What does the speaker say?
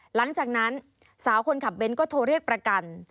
หลังจากนั้นสาวคนขับเน้นก็โทรเรียกประกัน